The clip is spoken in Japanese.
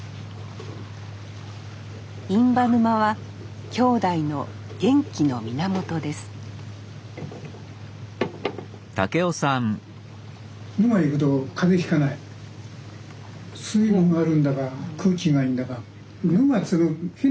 印旛沼は兄弟の元気の源ですまあ